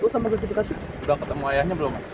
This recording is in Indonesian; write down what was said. sudah ketemu ayahnya belum mas